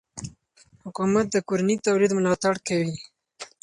حکومت د کورني تولید ملاتړ کوي.